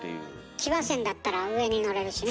騎馬戦だったら上に乗れるしね。